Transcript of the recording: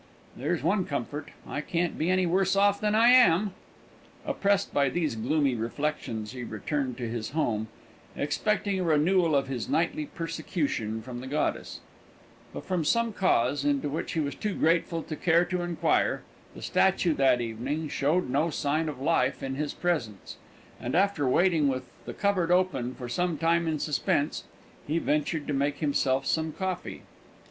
There's one comfort, I can't be any worse off than I am." Oppressed by these gloomy reflections, he returned to his home, expecting a renewal of his nightly persecution from the goddess; but from some cause, into which he was too grateful to care to inquire, the statue that evening showed no sign of life in his presence, and after waiting with the cupboard open for some time in suspense, he ventured to make himself some coffee.